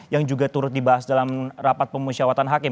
yang juga turut dibahas dalam rapat pemusyawatan hakim